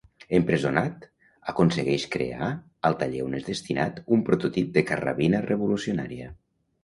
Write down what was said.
Empresonat, aconsegueix crear, al taller on és destinat, un prototip de carrabina revolucionària.